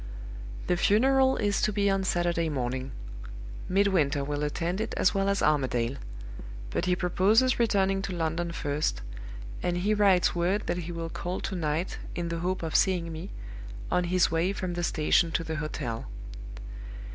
"The funeral is to be on Saturday morning. Midwinter will attend it as well as Armadale. But he proposes returning to London first; and he writes word that he will call to night, in the hope of seeing me, on his way from the station to the hotel.